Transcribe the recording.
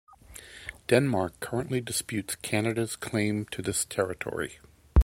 Denmark currently disputes Canada's claim to this territory.